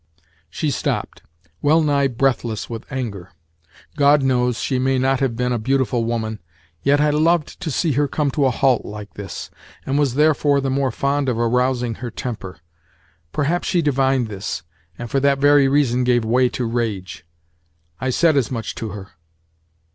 She stopped, well nigh breathless with anger. God knows, she may not have been a beautiful woman, yet I loved to see her come to a halt like this, and was therefore, the more fond of arousing her temper. Perhaps she divined this, and for that very reason gave way to rage. I said as much to her.